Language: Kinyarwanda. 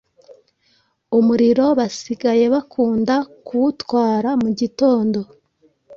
Umuriro basigaye bakunda kuwutwara mugitondo